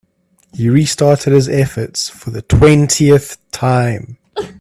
He restarted his efforts for the twentieth time.